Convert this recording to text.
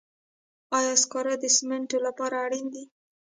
آیا سکاره د سمنټو لپاره اړین دي؟